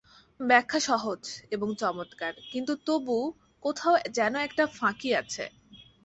ব্যাখ্যা সহজ এবং চমৎকার, কিন্তু তবু কোথাও যেন একটা ফাঁকি আছে।